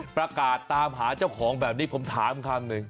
ประกาศตามหาเจ้าของแบบนี้ผมถามคำหนึ่ง